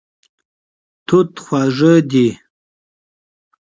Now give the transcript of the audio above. توت خواږه دی.